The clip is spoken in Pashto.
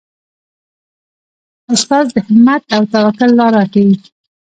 استاد د همت او توکل لاره ښيي.